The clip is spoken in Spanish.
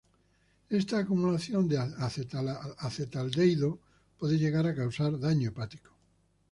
Esta acumulación de acetaldehído puede llegar a causar daño hepático.